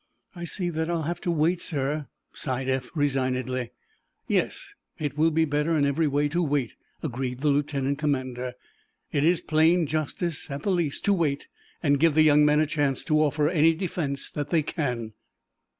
"I see that I'll have to wait, sir," sighed Eph, resignedly. "Yes; it will be better in every way to wait," agreed the lieutenant commander. "It is plain justice, at the least, to wait and give the young men a chance to offer any defense that they can."